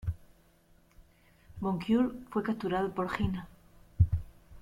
Bon Kure fue capturado por Hina.